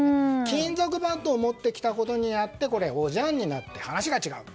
金属バットを持ってきたことでおじゃんになって、話が違う。